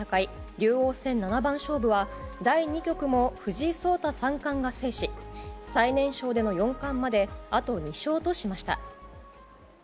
竜王戦七番勝負は第２局も藤井聡太三冠が制し最年少での四冠まであと２勝としました。